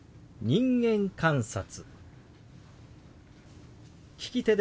「人間観察」。